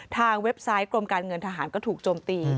เว็บไซต์กรมการเงินทหารก็ถูกโจมตี